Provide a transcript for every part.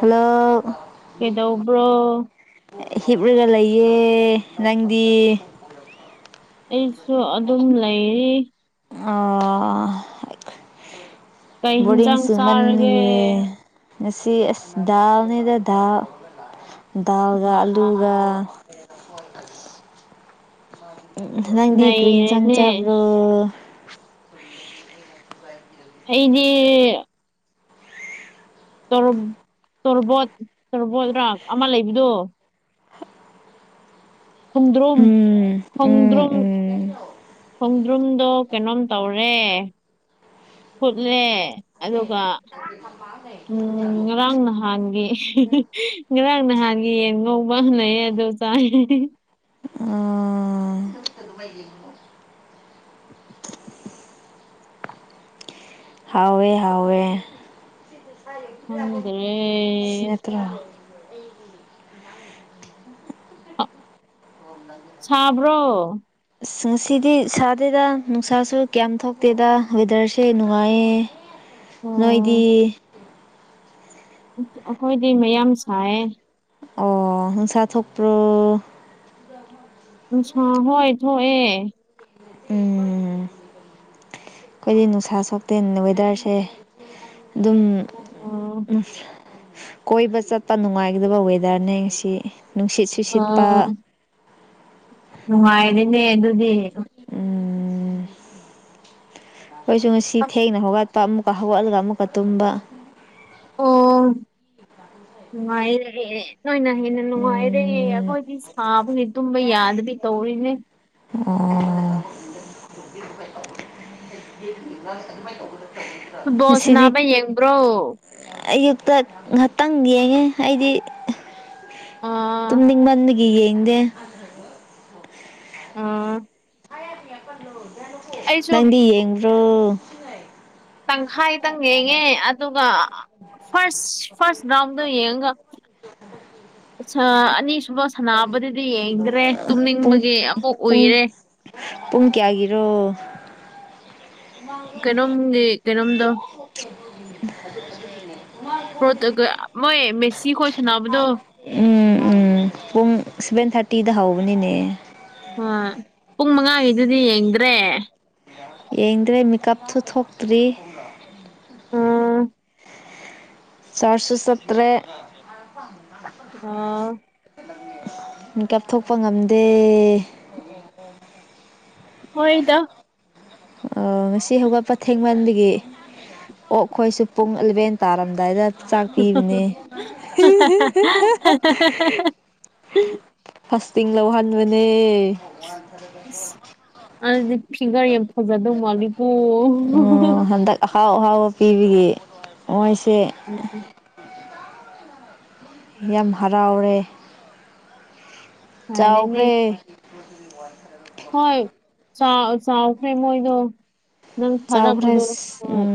hello ꯀꯩꯗꯧꯕ꯭ꯔꯣ ꯍꯤꯞꯂꯒ ꯂꯩꯌꯦ ꯅꯪꯗꯤ ꯑꯩꯁꯨ ꯑꯗꯨꯝ ꯂꯩꯔꯤ ꯑ ꯀꯩ ꯕꯣꯔꯤꯡ ꯍꯤꯟꯖꯥꯡ ꯁꯃꯟ ꯆꯥꯔꯒꯦ ꯉꯁꯤ ꯑꯁ ꯗꯥꯎꯅꯤꯗ ꯎ ꯋꯥ ꯗꯥꯜꯒ ꯑꯂꯨꯒ ꯅꯪꯗꯤ ꯀ꯭ꯔꯤ ꯆꯪ ꯅꯩꯔꯦꯅꯦ ꯆꯕ꯭ꯔꯣ ꯑꯩꯗꯤꯦ ꯇꯣꯔꯕꯣꯠ ꯇꯣꯔꯕꯣꯠꯔ ꯑꯃ ꯂꯩꯕꯗꯣ ꯈꯣꯡꯗ꯭ꯔꯨꯝ ꯎꯝ ꯎꯝ ꯈꯣꯡꯗ꯭ꯔꯨꯝ ꯎꯝ ꯈꯣꯡꯗ꯭ꯔꯨꯝꯗꯣ ꯀꯩꯅꯣꯝ ꯇꯧꯔꯦ ꯐꯨꯠꯂꯦ ꯑꯗꯨꯒ [unintelligible] ꯎꯝ ꯉꯔꯥꯡ ꯅꯍꯥꯟꯒꯤ ꯉꯔꯥꯡ ꯅꯍꯥꯟꯒꯤ ꯌꯦꯟ ꯉꯧꯕ ꯍꯅꯩꯑ ꯑꯗꯨꯗꯣ ꯆꯥꯏ ꯎ ꯑꯥ ꯍꯋꯦ ꯍꯋꯦ ꯍꯗ꯭ꯔꯦ ꯁꯤ ꯅꯠꯇ꯭ꯔꯥ ꯁꯥꯕ꯭ꯔꯣ ꯑꯁ ꯉꯁꯤꯗꯤ ꯁꯥꯗꯦꯗ ꯅꯨꯡꯁꯥꯁꯨ ꯀꯌꯥꯝ ꯊꯣꯛꯇꯦꯗ ꯋꯦꯗꯔꯁꯦ ꯅꯨꯡꯉꯥꯏꯌꯦ ꯑꯣ ꯅꯣꯏꯗꯤ ꯑꯩꯈꯣꯏꯗꯤ ꯃꯌꯥꯝ ꯁꯥꯏ ꯑꯣ ꯤꯡꯁꯥ ꯊꯣꯄ꯭ꯔꯣ ꯑꯆꯥꯥ ꯍꯣꯏ ꯊꯣꯛꯑꯦ ꯎꯝ ꯑꯩꯈꯣꯏꯗꯤ ꯅꯨꯡꯁꯥ ꯁꯣꯛꯇꯦꯅꯤꯅ ꯋꯦꯗꯔꯁꯦ ꯑꯗꯨꯝ ꯎꯝ ꯀꯣꯏꯕ ꯆꯠꯄ ꯅꯨꯡꯉꯥꯏꯒꯗꯕ ꯋꯦꯗꯔꯅꯦ ꯉꯁꯤ ꯅꯨꯡꯁꯤꯠ ꯁꯨꯁꯤꯠꯄ ꯅꯨꯡꯉꯥꯏꯔꯤꯅꯦ ꯑꯗꯨꯗꯤ ꯎꯝ ꯑꯩꯈꯣꯏꯁꯨ ꯉꯁꯤ ꯑꯁ ꯊꯦꯡꯅ ꯍꯧꯒꯠꯄ ꯑꯃꯨꯛꯀ ꯍꯧꯒꯠꯂꯒ ꯑꯃꯨꯛꯀ ꯇꯨꯝꯕ ꯑꯣ ꯅꯨꯡꯉꯥꯏꯔꯦ ꯅꯣꯏꯅ ꯍꯦꯟꯅ ꯅꯨꯡꯉꯥꯏꯔꯦ ꯎꯝ ꯑꯩꯈꯣꯏꯗꯤ ꯁꯥꯕꯗꯤ ꯇꯨꯝꯕ ꯌꯥꯗꯕꯤ ꯇꯧꯔꯤ ꯏꯅꯤ ꯑꯣ ꯐꯨꯠꯕꯣꯜ ꯉꯁꯤꯗꯤ ꯁꯅꯕ ꯌꯦꯡꯕ꯭ꯔꯣ ꯑꯌꯨꯛꯇ ꯉꯍꯥꯛꯇꯪ ꯌꯦꯡꯉꯦ ꯑꯩꯗꯤ ꯑꯥ ꯇꯨꯝꯅꯤꯡꯕ ꯌꯦꯡꯗꯦ ꯎꯝ ꯅꯪꯗꯤ ꯌꯦꯡꯕ꯭ꯔꯣ ꯇꯪꯈꯥꯏꯇꯪ ꯌꯦꯡꯉꯦ ꯑꯗꯨꯒ ꯐꯁ ꯐꯁ ꯔꯥꯎꯟꯗ ꯌꯦꯡꯒ ꯑꯅꯤꯁꯨꯕ ꯁꯅꯥꯕꯨꯗꯨꯗꯤ ꯌꯦꯡꯈꯗꯔꯦ ꯄꯨꯡ ꯇꯨꯝꯅꯤꯡꯕꯒꯤ ꯄꯨꯡ ꯎꯏꯔꯦ ꯄꯨꯡ ꯀꯌꯥꯒꯤꯔꯣ ꯀꯩꯅꯣꯝꯒꯤ ꯀꯩꯅꯣꯝꯗ [unintelligible] ꯃꯣꯏ ꯃꯦꯁꯤ ꯀꯣꯏ ꯁꯅꯥꯕꯗꯣ ꯎꯝ ꯎꯝ ꯄꯨꯡ ꯁꯚꯦꯟ ꯊꯥꯔꯇꯤꯗ ꯍꯧꯕꯅꯤꯅꯦ ꯑ ꯄꯨꯡ ꯃꯉꯥꯒꯤꯗꯨꯗꯤ ꯌꯦꯡꯗ꯭ꯔꯦ ꯌꯦꯡꯗ꯭ꯔꯦ ꯃꯦꯀꯞꯁꯨ ꯊꯣꯛꯇ꯭ꯔꯤ ꯎꯝ ꯆꯔꯁꯨ ꯆꯠꯇꯔꯦ ꯑ ꯃꯀꯞꯊꯣꯛꯄ ꯉꯝꯗꯦ ꯍꯣꯏꯗ ꯉꯁꯤ ꯍꯧꯒꯠꯄꯊꯦꯡꯃꯟꯕꯒꯤ ꯑꯣ ꯑꯩꯈꯣꯏꯁꯨ ꯄꯨꯡ ꯑꯦꯂꯚꯦꯟ ꯇꯥꯔꯝꯗ ꯑꯗꯨꯗꯥꯏꯗ ꯆꯥꯛ ꯄꯤꯕꯅꯦ ꯇꯤꯡ ꯂꯧꯍꯟꯕꯅꯦ ꯑꯗꯨꯗꯤ ꯐꯤꯡꯒꯔ ꯌꯥꯝ ꯐꯖꯗꯧ ꯃꯥꯜꯂꯤ ꯎ ꯍꯟꯗꯛ ꯑꯍꯥꯎ ꯑꯍꯥꯎꯕ ꯄꯤꯕꯒꯤ ꯃꯣꯏ ꯎꯝ ꯌꯥꯝ ꯍꯔꯥꯎꯔꯦ ꯐꯔꯦꯅꯦ ꯆꯥꯎꯈ꯭ꯔꯦ ꯋꯥꯔ [unintelligible] ꯍꯣꯏ ꯆꯥꯎ ꯆꯥꯎꯈ꯭ꯔꯦ ꯃꯣꯏꯗꯣ ꯅꯪ ꯊꯥꯔꯛꯄꯗꯣ ꯆꯥꯎꯈ꯭ꯔꯦꯁ ꯎ ꯍꯣꯏ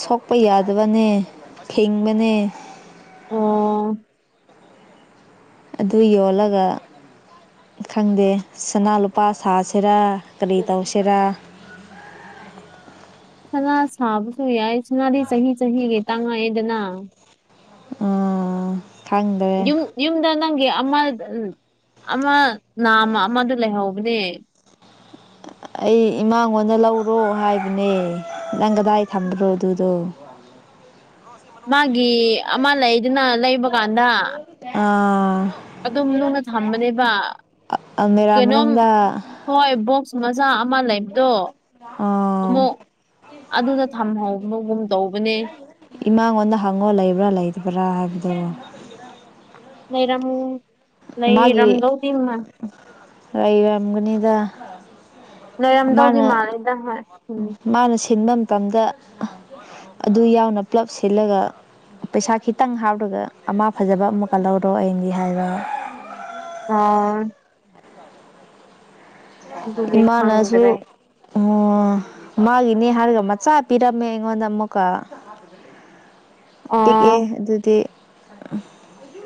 ꯁꯣꯛꯄ ꯌꯥꯗꯕꯅꯦ ꯊꯤꯡꯕꯅꯦ ꯑꯣ ꯑꯗꯨ ꯌꯣꯜꯂꯒ ꯈꯪꯗꯦ ꯁꯅꯥ ꯂꯨꯄꯥ ꯁꯥꯁꯤꯔꯥ ꯀꯔꯤ ꯇꯧꯁꯤꯔꯥ [unintelligible] ꯁꯅꯥ ꯁꯥꯕꯁꯨ ꯌꯥꯏ ꯁꯅꯥꯗꯤ ꯆꯍꯤ ꯆꯍꯤꯒꯤ ꯇꯥꯡꯉꯛꯑꯦꯗꯅ ꯎꯝ ꯌꯨꯝ ꯌꯨꯝꯗ ꯅꯪꯒꯤ ꯑꯃ ꯎ ꯑꯃ ꯅꯥꯝ ꯑꯃꯗ ꯨꯂꯩꯍꯧꯕꯅꯦ ꯑꯩ ꯏꯃꯥꯡꯉꯣꯟꯗ ꯂꯧꯔꯣ ꯍꯥꯏꯕꯅꯦ ꯅꯪ ꯀꯗꯥꯏ ꯊꯝꯕ꯭ꯔꯣ ꯑꯗꯨꯗꯣ [unintelligible] ꯃꯥꯒꯤ ꯑꯃ ꯂꯩꯗꯅ ꯂꯩꯕ ꯀꯥꯟꯗ ꯑꯗꯨꯝ ꯅꯨꯅ ꯊꯝꯕꯅꯦꯕ ꯑꯜꯃꯦꯔꯥ ꯀꯩꯅꯣꯝ ꯃꯅꯨꯡꯗ ꯍꯣꯏ ꯕꯣꯛꯁ ꯃ ꯂꯩꯕꯗꯣ ꯑꯃꯨꯛ ꯑꯗꯨꯗ ꯊꯝꯍꯒꯨꯝ ꯇꯧꯕꯅꯦ ꯏꯃꯥꯡꯉꯣꯟꯗ ꯍꯪꯉꯣ ꯂꯩꯕ꯭ꯔꯥ ꯂꯩꯕ꯭ꯔꯥ ꯍꯥꯏꯕꯗꯣ ꯂꯩꯔꯝꯃꯨ ꯃꯥꯒꯤ ꯂꯩꯔꯝꯗꯧꯗꯤꯝꯅ ꯂꯩꯔꯝꯒꯅꯤꯗ ꯂꯩꯔꯝꯗꯧꯗꯤ ꯂꯩꯔꯝꯗꯧꯗꯤ ꯃꯥꯅ ꯃꯥꯜꯂꯦꯗ ꯍꯣꯏ ꯎꯝ ꯃꯥꯅ ꯁꯤꯟꯕ ꯃꯇꯝꯗ ꯑꯗꯨ ꯌꯥꯎꯅ ꯄꯨꯂꯞ ꯁꯤꯠꯂꯒ ꯄꯩꯁꯥ ꯈꯤꯇꯪ ꯍꯥꯞꯔꯒ ꯑꯃ ꯐꯖꯕ ꯑꯃꯨꯛꯀ ꯂꯧꯍꯧꯔꯣ ꯑꯩꯗꯤ ꯍꯥꯏꯕ ꯑꯥ ꯑꯗꯨꯗꯤ ꯏꯃꯥꯅꯁꯨ ꯈꯪꯗ꯭ꯔꯦ ꯎ ꯃꯥꯒꯤ ꯅꯤꯍꯔꯒ ꯃꯆꯥ ꯄꯤꯔꯝꯃꯦ ꯑꯩꯉꯣꯟꯗ ꯃꯨꯛꯀ ꯑꯣ ꯄꯤꯛꯑꯦ ꯑꯗꯨꯗꯤ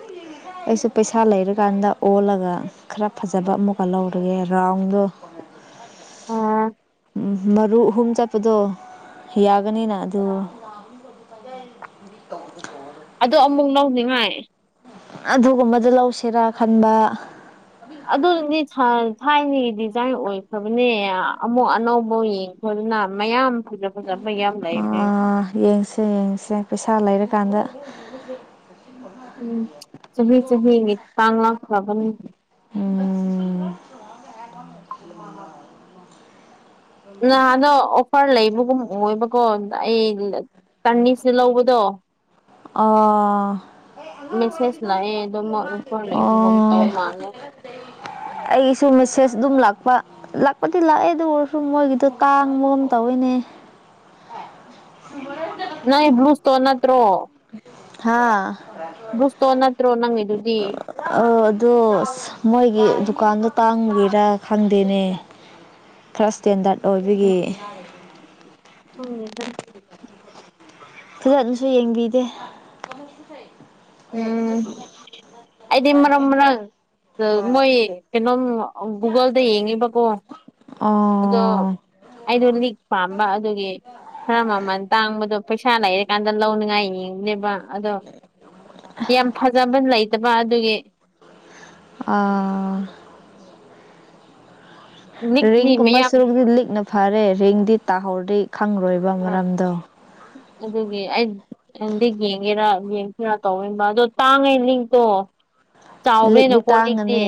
[unintelligible] ꯑꯩꯁꯨ ꯄꯩꯁꯥ ꯂꯩꯔꯀꯥꯟꯗ ꯑꯣꯜꯂꯒ ꯈꯔ ꯐꯖꯕ ꯑꯃꯨꯛꯀ ꯂꯧꯔꯒꯦ ꯔꯥꯎꯟꯗꯣ ꯎ ꯑꯥ ꯃꯔꯨ ꯑꯍꯨꯝ ꯆꯠꯄꯗꯣ ꯌꯥꯒꯅꯤꯅ ꯑꯗꯨ ꯇ ꯑꯗꯣ ꯑꯃꯨꯛ ꯂꯧꯅꯤꯡꯉꯥꯏ ꯑꯗꯨꯒꯨꯝꯕꯗ ꯂꯧꯁꯤꯔꯥ ꯈꯟꯕ ꯑꯗꯨ ꯆ ꯊꯥꯏꯅꯒꯤ ꯗꯤꯖꯥꯏꯟ ꯑꯣꯏꯈ꯭ꯔꯕꯅꯦ ꯑꯃꯨꯛ ꯑꯅꯧꯕ ꯌꯦꯡꯈ꯭ꯔꯗꯨꯅ ꯃꯌꯥꯝ ꯐꯖ ꯐꯖꯕ ꯌꯥꯝ ꯂꯩꯕꯅꯦ ꯑꯥ ꯌꯦꯡꯁꯦ ꯌꯦꯡꯁꯦ ꯄꯩꯁꯥ ꯂꯩꯔ ꯀꯥꯟꯗ ꯎꯝ ꯆꯍꯤ ꯆꯍꯤꯒꯤ ꯇꯥꯡ ꯂꯥꯛꯆꯥꯕꯅꯤ ꯎꯝ ꯅꯍꯥꯟꯗꯣ ꯑꯣꯐꯔ ꯂꯩꯕꯒꯨꯝ ꯑꯣꯏꯕꯀꯣ ꯑ ꯑꯩ ꯆꯟꯅꯤꯁꯤ ꯂꯧꯕꯗꯣ ꯑ ꯃꯦꯁꯦꯖ ꯂꯥꯛꯑꯦ ꯑꯗꯨꯣ ꯃꯣꯏ ꯏꯝꯐꯣꯔꯣꯟ ꯂꯩꯕꯒ ꯑꯣ ꯇꯧ ꯃꯥꯜꯂꯦ ꯑꯩꯒꯤꯁꯨ ꯃꯦꯁꯦꯁ ꯑꯗꯨꯝ ꯂꯥꯛꯄ ꯂꯥꯛꯄꯗꯤ ꯂꯥꯛꯑꯦ ꯑꯗꯨ ꯑꯣꯏꯔꯁꯨ ꯃꯣꯏꯒꯤꯗꯣ ꯇꯥꯡꯕꯒꯨꯝ ꯇꯧꯋꯤꯅꯦ [unintelligible] ꯅꯪ ꯕꯂꯨꯁꯇꯣꯟ ꯅꯠꯇ꯭ꯔꯣ ꯍꯥꯥ ꯕ꯭ꯂꯨ ꯏꯁꯇꯣꯟ ꯅꯠꯇ꯭ꯔꯣ ꯅꯪꯒꯤꯗꯨꯗꯤ ꯑ ꯑꯗꯣ ꯃꯣꯏꯒꯤ ꯗꯨꯀꯥꯟꯗꯣ ꯇꯥꯡꯏꯔꯥ ꯈꯪꯗꯦꯅꯦ ꯈꯔ ꯏꯁꯇꯦꯟꯗꯔꯠ ꯑꯣꯏꯕꯒꯤ ꯎꯝ ꯐꯗ ꯑꯗꯨꯁꯨ ꯌꯦꯡꯕꯤꯗꯦ ꯎꯝ ꯍꯥꯏꯗꯤ ꯃꯔꯛ ꯃꯔꯛ ꯃꯣꯏ ꯀꯩꯅꯣꯝ ꯨꯒꯨꯒꯜꯗ ꯌꯦꯡꯉꯦꯕꯀꯣ ꯑꯗꯣ ꯑꯣ ꯑꯩꯗꯣ ꯂꯤꯛ ꯄꯥꯝꯕ ꯑꯗꯨꯒꯤ ꯈꯔ ꯃꯃꯜ ꯇꯥꯡꯕꯗꯣ ꯄꯩꯁꯥ ꯂꯩꯔꯀꯥꯟꯗ ꯂꯧꯅꯤꯡꯉꯥꯏ ꯌꯦꯕꯅꯦꯕ ꯑꯗꯣ ꯌꯥꯝ ꯐꯖꯕ ꯂꯩ ꯠꯇꯕ ꯑꯗꯨꯒꯤ ꯑꯥ ꯂꯤꯛꯂꯤ ꯔꯤꯡꯒꯨꯝꯕ ꯃꯌꯥꯝ ꯁꯔꯨꯛꯄꯨꯗꯤ ꯂꯤꯛꯅ ꯐꯔꯦ ꯔꯤꯡꯗꯤ ꯇꯥꯍꯧꯔꯤ ꯎ ꯑꯗꯨꯒꯤ ꯑꯩꯪꯗꯤ ꯌꯦꯡꯒꯦꯔꯥ ꯌꯦꯡꯁꯤꯔ ꯇꯧꯕ ꯑꯗꯣ ꯇꯥꯡꯉꯦ ꯂꯤꯛꯇꯣ ꯂꯤꯛꯂꯤ ꯆꯥꯎꯕꯅꯤꯅꯀꯣ ꯂꯤꯛꯇꯤ ꯇꯥꯡꯉꯅꯤ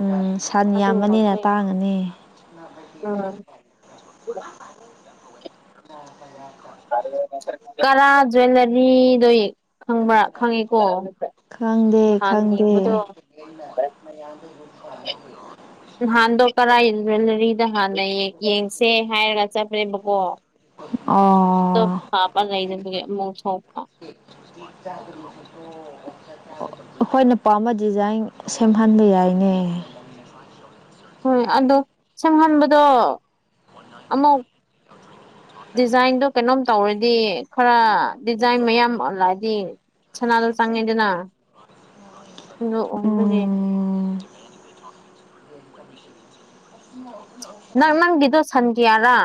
ꯎꯝ ꯁꯟ ꯌꯥꯝꯕꯅꯤꯅ ꯇꯥꯡꯉꯅꯤ ꯑꯥ ꯀꯔꯥ ꯖ꯭ꯋꯦꯂꯔꯤꯗꯣ ꯈꯪꯕ꯭ꯔꯥ ꯈꯪꯉꯤꯀꯣ ꯈꯪꯗꯦ ꯅꯍꯥꯟ ꯈꯪꯗꯦ ꯌꯦꯡꯕꯗꯣ [unintelligible] ꯅꯍꯥꯟꯗꯣ ꯀꯥꯔꯥ ꯖ꯭ꯋꯦꯂꯔꯤꯗ ꯍꯥꯟꯅ ꯌꯦꯡꯁꯦ ꯍꯥꯏꯔꯒ ꯆꯠꯄꯅꯦꯕꯀꯣ ꯑꯣ ꯍꯥꯥ ꯄ ꯂꯩꯗꯒꯦ ꯃ ꯁ ꯆꯒ ꯂꯣ ꯑꯩꯈꯣꯏꯅ ꯄꯥꯝꯕ ꯗꯤꯖꯥꯏꯟ ꯁꯦꯝꯍꯟꯕ ꯌꯥꯏꯅꯦ ꯍꯣꯏ ꯑꯗꯣ ꯁꯦꯝꯍꯟꯕꯗꯣ ꯑꯃꯨꯛ ꯗꯤꯖꯥꯏꯟꯗꯣ ꯀꯩꯅꯣꯝ ꯇꯧꯔꯗꯤ ꯈꯔ ꯗꯤꯖꯥꯏꯟ ꯃꯌꯥꯝ ꯑꯣꯂꯥꯛꯑꯗꯤ ꯁꯅꯥꯗꯣ ꯆꯪꯉꯤꯗꯅ ꯅꯣꯛꯑꯣꯏꯕꯖꯦ ꯎꯝ ꯎ ꯅꯪ ꯅꯪꯒꯤꯗꯣ ꯁꯟ ꯀꯌꯥꯔꯥ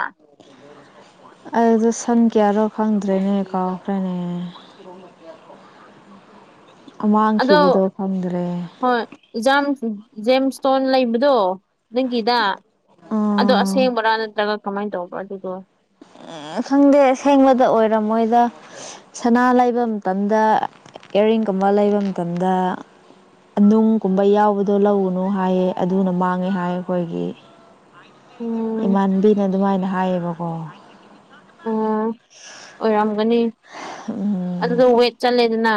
ꯑꯗꯨ ꯁꯟ ꯀꯌꯥꯔꯣ ꯈꯪꯗ꯭ꯔꯦꯅꯦ ꯀꯥꯎꯈ꯭ꯔꯦꯅꯦ [unintelligible] ꯑꯗꯣ ꯃꯥꯡꯈꯤꯕꯗꯣ ꯈꯪꯗ꯭ꯔꯦ ꯍꯣꯏ ꯖꯝꯁ ꯖꯦꯝꯁ ꯏꯁꯇꯣꯟ ꯂꯩꯕꯗꯣ ꯅꯪꯒꯤꯗ ꯑꯗꯣ ꯎꯝ ꯑꯁꯦꯡꯕꯔꯥ ꯅꯠꯇ꯭ꯔꯒ ꯀꯃꯥꯏꯅ ꯇꯧꯕꯔ ꯑꯗꯨꯗꯣ ꯈꯪꯗꯦ ꯑꯁꯦꯡꯕꯗ ꯑꯣꯏꯔꯝꯃꯣꯏꯗ ꯁꯅꯥ ꯂꯩꯕ ꯃꯇꯝꯗ ꯏꯌꯥꯔꯤꯡꯒꯨꯝꯕ ꯂꯩꯕ ꯃꯇꯝꯗ ꯅꯨꯡꯒꯨꯝꯕ ꯌꯥꯎꯕꯗꯣ ꯂꯧꯎꯅꯨ ꯍꯥꯏꯌꯦ ꯑꯗꯨꯅ ꯃꯥꯡꯉꯦ ꯍꯥꯏ ꯑꯩꯈꯣꯏꯒꯤ ꯎꯝ ꯏꯃꯥꯟꯕꯤꯅ ꯑꯗꯨꯃꯥꯏꯅ ꯍꯥꯏꯌꯦꯕꯀꯣ ꯑꯥ ꯑꯣꯏꯔꯝꯒꯅꯤ ꯎꯝ ꯑꯗꯨꯗꯣ ꯋꯦꯠ ꯆꯠꯂꯦꯗꯅ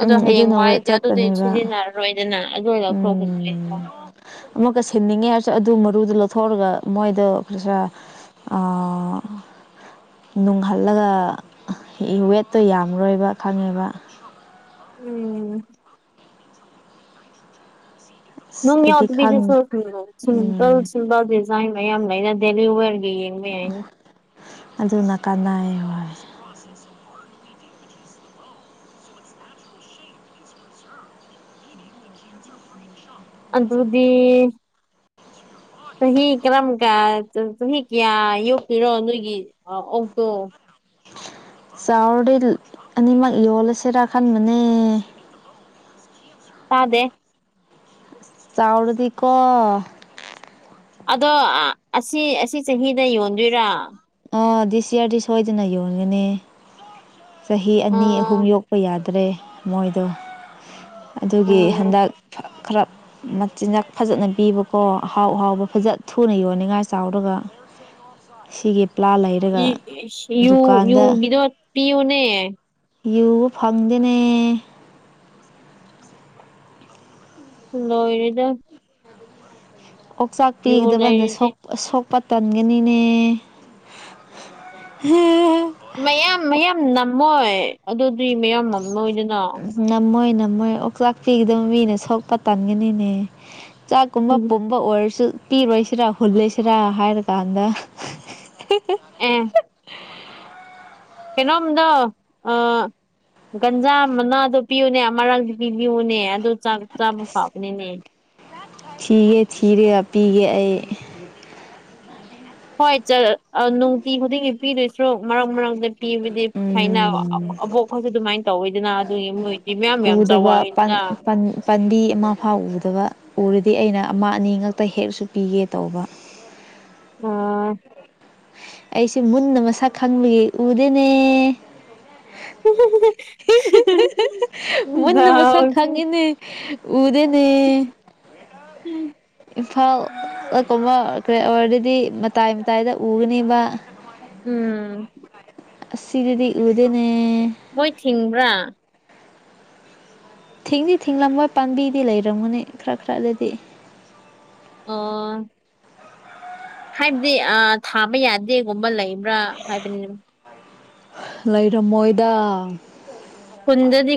ꯑꯗꯣ ꯎꯝ ꯍꯌꯦꯡ ꯑꯗꯨꯅ ꯋꯦꯠ ꯋꯥꯏꯗꯤ ꯑꯗꯨꯗꯤ ꯆꯠꯄꯅꯦꯕ ꯁꯤꯖꯤꯟꯅꯔꯔꯣꯏꯗꯅ ꯑꯗꯨ ꯂꯧꯊꯣꯛꯍꯟꯗꫡꯏꯀꯣ ꯑꯃꯨꯛ ꯀ ꯁꯤꯅꯤꯡꯉꯦ ꯑꯗꯨ ꯃꯔꯨꯗ ꯂꯧꯊꯣꯛꯑꯒ ꯃꯣꯏꯗ ꯈꯩꯁꯥ ꯑ‌-ꯑ-ꯑ ꯅꯨꯡꯍꯜꯂꯒ ꯋꯦꯠꯇꯣ ꯌꯥꯝꯔꯣꯏꯕ ꯈꯪꯉꯦꯕ ꯎꯝ ꯑꯁ ꯅꯨꯡ ꯑꯩꯗꯤ ꯈꯪ ꯌꯥꯎꯗꯕꯤꯗꯁꯨ ꯁꯤꯝꯄꯜ ꯎꯝ ꯁꯤꯝꯄꯜ ꯗꯤꯖꯥꯏꯟ ꯃꯌꯥꯝ ꯂꯩꯔ ꯗꯦꯜꯂꯤꯋꯦꯔ [unintelligible] ꯑꯗꯨꯅ ꯀꯥꯟꯅꯩ ꯍꯣꯏ ꯑꯗꯨꯗꯤ ꯆꯍꯤ ꯀꯔꯝꯀ ꯀꯟ ꯆꯍꯤ ꯀꯌꯥ ꯌꯣꯛꯄꯤꯔꯣ ꯅꯣꯏꯒꯤ ꯑꯣꯛꯇꯣ ꯆꯥꯥꯎꯔꯗꯤ ꯑꯅꯤ ꯃꯛ ꯌꯣꯜꯂꯁꯤꯔ ꯈꯟꯕꯅ‌ꯦ ꯇꯥꯗꯦ ꯆꯥꯎꯔꯗꯤꯀ‌ꯣ ꯑꯗꯣ ꯑꯁꯤ ꯑꯁꯤ ꯆꯍꯤꯗ ꯌꯣꯟꯗꯣꯏꯔꯥ ꯑ ꯗꯤꯁ ꯌꯥꯔꯗꯤ ꯁꯣꯏꯗꯅ ꯌꯣꯟꯒꯅꯤ ꯆꯍꯤ ꯑꯅꯤ ꯑꯍꯨꯝ ꯑꯣ ꯌꯣꯛꯄ ꯌꯥꯗꯦ ꯃꯣꯏꯗꯣ ꯑꯗꯨꯒꯤ ꯑꯣ ꯍꯟꯗꯛ ꯈꯔ ꯃꯆꯤꯟꯖꯥꯛ ꯐꯖꯅ ꯄꯤꯕꯀꯣ ꯑꯍꯥꯎ ꯍꯥꯎꯕ ꯐꯖ ꯊꯨꯅ ꯌꯣꯟꯅꯤꯡꯉꯥꯏ ꯆꯥꯎꯔꯒ ꯁꯤꯒꯤ ꯄ꯭ꯂꯥ ꯌ ꯂꯩꯔꯒ ꯌ ꯌꯨ ꯗꯨꯀꯥꯟꯗ ꯌꯨꯒꯤꯗꯨ ꯄꯤꯌꯨꯅ‌ꯦ ꯌꯨ ꯐꯪꯗ‌ꯦꯅꯦ ꯂꯣꯔ‌ꯦꯗ ꯑꯣꯆꯥꯛꯇꯤ ꯗꯕꯅ ꯂꯩꯔꯗꯤ ꯁ‌ꯣꯛ ꯁꯣꯛꯄ ꯇꯥꯟꯒꯅꯤꯅꯦ ꯃꯌꯥꯝ ꯃꯌꯥꯝ ꯅꯝꯃꯣꯏ ꯑꯗꯨꯗꯤ ꯃꯌꯥꯝ ꯅꯝꯂꯣꯏꯗꯅ ꯎ ꯉꯝꯃꯣꯏ ꯉꯝꯃꯣꯏ ꯑꯣꯛꯆꯥꯛꯇꯤ ꯑꯗꯨꯝ ꯃꯤꯅ ꯁꯣꯛꯄ ꯇꯟꯒꯅꯤꯅꯦ ꯆꯥꯛꯀꯨꯝꯕ ꯄꯨꯝꯕ ꯑꯣꯏꯔꯁꯨ ꯄꯤꯔꯣꯏꯁꯤꯔꯥ ꯍꯨꯜꯂꯦꯁꯤꯔ ꯍꯥꯏꯔꯀꯥꯟꯗ ꯑ‌ꯦ ꯀꯩꯅꯣꯝꯗ ꯑ ꯒꯟꯖꯥ ꯃꯅꯥꯗꯣ ꯄꯤꯌꯨꯅꯦ ꯑꯃꯔꯥꯛ ꯄꯤꯕꯤꯌꯨꯅꯦ ꯑꯗꯨ ꯆꯥꯕ ꯐꯥꯎꯕꯅꯤꯅꯦ ꯊꯤꯒꯦ ꯊꯤꯔꯒ ꯄꯤꯒꯦ ꯑꯩ ꯍꯣꯏ ꯅꯨꯡꯇꯤ ꯈꯨꯗꯤꯡꯒꯤ ꯄꯤꯗꯣꯏꯁꯨ ꯃꯔꯛ ꯃꯔꯛꯇꯗ ꯄꯤꯕꯗꯤ ꯍꯥꯏꯅ ꯎꯝ ꯑꯕꯣꯛ ꯈ‌ꯣꯏꯁꯨ ꯑꯗꯨꯃꯥꯏꯅ ꯇꯧꯋꯤꯗꯅ ꯑꯗꯨꯒꯤ ꯃꯣꯏꯗꯤ ꯃꯌꯥꯝ ꯌꯥꯝ ꯎꯗꯕ ꯆꯥꯎꯋꯏꯅꯤꯅ ꯄꯥꯝꯕꯤ ꯑꯃ ꯐꯥꯎ ꯎꯗꯕ ꯎꯔꯗꯤ ꯑꯩꯅ ꯑꯃ ꯑꯅꯤ ꯉꯛꯇ ꯍꯦꯛꯁꯨ ꯄꯤꯒꯦ ꯇꯧꯕ ꯑꯥ ꯑꯩꯁꯦ ꯃꯨꯟꯅ ꯃꯁꯛ ꯈꯪꯕꯒꯤ ꯎꯗꯦꯅꯦ ꯃꯟꯅ ꯃꯁꯛ ꯗꯥꯎꯁꯦ ꯈꯥꯡꯉꯤꯅꯤ ꯎꯗꯅꯦ ꯎꯝ ꯏꯝꯐꯥꯎꯜ ꯀꯨꯝꯕ ꯀ ꯑꯣꯏꯔꯗꯗꯤ ꯃꯇꯥꯏ ꯃꯇꯥꯏꯗ ꯎꯒꯅꯤꯕ ꯎꯝ ꯁꯤꯗꯤ ꯎꯗꯅꯦ ꯃꯣꯏ ꯊꯤꯡꯕ꯭ꯔꯥ ꯊꯤꯡꯗꯤ ꯊꯤꯡꯂꯂꯝꯕꯣꯏ ꯄꯥꯝꯕꯤꯗꯤ ꯂꯩꯔꯝꯒꯅꯤ ꯈꯔ ꯈꯔꯗꯗꯤ ꯑꯣ ꯍꯥꯏꯕꯗꯤ ꯊꯥꯕ ꯌꯥꯗꯦꯒꯨꯝꯕ ꯂꯩꯕ꯭ꯔꯥ ꯍꯥꯏꯕꯅꯤ ꯂꯩꯔꯝ ꯃꯣꯏꯗ ꯈꯨꯟꯗꯗꯤ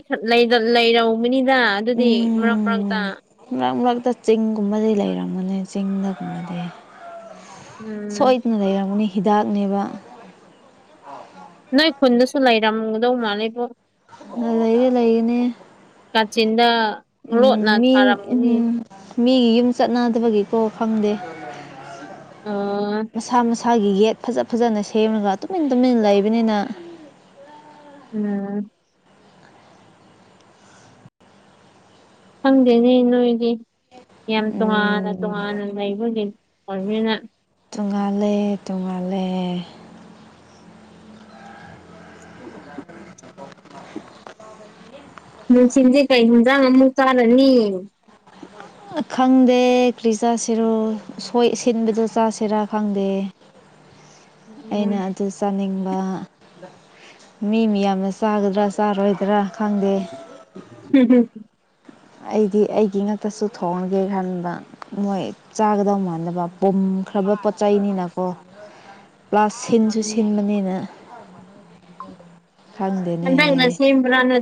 ꯂꯩꯔꯕꯅꯤꯗ ꯑꯗꯨꯗꯤ ꯃꯔꯛ ꯃꯔꯛꯇ ꯍꯛꯇ ꯆꯤꯡꯒꯨꯝꯕꯗꯤ ꯂꯩꯔꯝꯃꯅꯦ ꯆꯤꯡꯗꯒꯨꯝꯕꯗꯤ ꯎꯝ ꯁꯣꯏꯗꯅ ꯂꯩꯔꯝꯒꯅꯤ ꯍꯤꯗꯥꯛꯅꯦꯕ ꯅꯣꯏ ꯈꯨꯟꯗꯁꯨ ꯂꯩꯔꯝꯒꯗꯧ ꯃꯥꯜꯂꯦꯕꯣ ꯑ ꯂꯩꯌꯦꯦ ꯂꯩꯅꯦ ꯆꯤꯟꯗ ꯎꯝ ꯃꯤ ꯎꯝ ꯃꯤꯒꯤ ꯌꯨꯝ ꯆꯠꯅꯗꯕꯒꯤꯀꯣ ꯈꯪꯗꯦ ꯑ ꯃꯁꯥ ꯃꯁꯥ ꯏꯁꯥꯒꯤ ꯌꯦꯠ ꯐꯖ ꯐꯖꯅ ꯁꯦꯝꯃꯒ ꯇꯨꯃꯤꯟ ꯇꯨꯃꯤꯟ ꯂꯩꯕꯅꯤꯅ ꯎꯝ ꯈꯪꯗꯦꯅꯦ ꯅꯣꯏꯗꯤ ꯌꯥꯝ ꯇꯣꯉꯥꯟꯅ ꯎꯝ ꯇꯣꯉꯥꯟꯅ ꯂꯩꯕꯒꯤꯅꯤ ꯍꯃꯤꯅ ꯇꯣꯡꯉꯥꯜꯂꯦ ꯇꯣꯡꯉꯥꯜꯂꯦ ꯍ ꯃ ꯁꯤꯤꯟꯖꯦ ꯀꯥꯏꯖꯉꯃꯨ ꯇꯥꯔꯅꯤ ꯈꯪꯗꯦ ꯀ꯭ꯔꯤꯖ ꯁꯤꯔꯣ ꯍꯣꯏ ꯁꯤꯟꯕꯗ ꯆꯥꯁꯤꯔꯥ ꯈꯪꯗꯦ ꯎꯝ ꯑꯩꯅ ꯑꯗꯨ ꯆꯥꯅꯤꯡꯕ ꯃꯤ ꯃꯤ ꯌꯥꯝꯅ ꯆꯥꯒꯗ꯭ꯔꯥ ꯆꯥꯔꯣꯏꯗ꯭ꯔꯥ ꯈꯪꯗꯦ ꯑꯩꯗꯤ ꯑꯩꯒꯤ ꯉꯛꯇꯁꯨ ꯊꯣꯡꯉꯒꯦ ꯈꯟꯕ ꯃꯣꯏ ꯆꯥꯒꯗꯧ ꯃꯥꯟꯅꯕ ꯄꯨꯝ ꯈ꯭ꯔꯕ ꯄꯣꯠ ꯆꯩꯅꯤꯅꯀꯣ ꯄ꯭ꯂꯥꯁ ꯁꯤꯟꯁꯨ ꯁꯤꯟꯕꯅꯤꯅ ꯃꯅ ꯈꯪꯗꯦꯅꯦ ꯁꯤꯝ꯭ꯔꯥꯅ